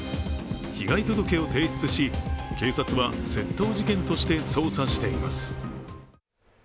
被害届を提出し、警察は窃盗事件として捜査しています。